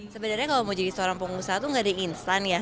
sebenarnya kalau mau jadi seorang pengusaha itu gak ada instan ya